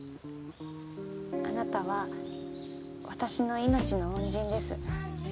あなたは私の命の恩人です。